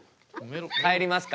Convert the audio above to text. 帰りますか？